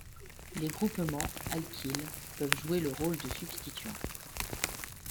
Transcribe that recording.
Les groupements alkyles peuvent jouer le rôle de substituant.